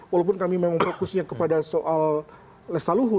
walaupun kami memang fokusnya kepada soal lesaluhu